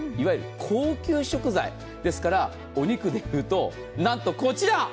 高級食材ですから、お肉でいうと何とこちら。